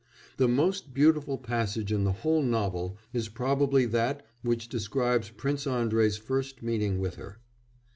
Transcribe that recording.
The most beautiful passage in the whole novel is probably that which describes Prince Andrei's first meeting with her.